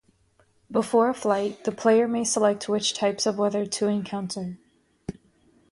Before a flight, the player may select which types of weather to encounter.